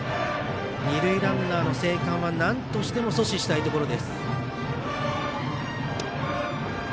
二塁ランナーの生還はなんとしても阻止したいところ。